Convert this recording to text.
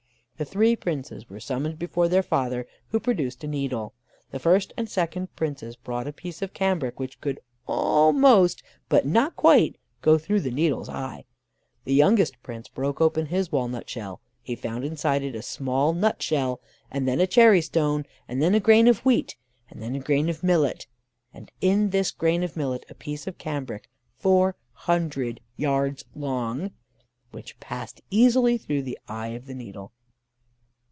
The three Princes were summoned before their father, who produced a needle. The first and second Princes brought a piece of cambric which would almost, but not quite, go through the needle's eye. The youngest Prince broke open his walnut shell: he found inside it a small nut shell, and then a cherry stone, and then a grain of wheat, and then a grain of millet, and in this grain of millet a piece of cambric four hundred yards long, which passed easily through the eye of the needle.